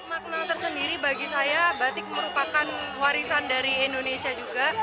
makna tersendiri bagi saya batik merupakan warisan dari indonesia juga